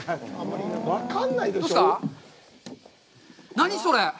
何、それ！？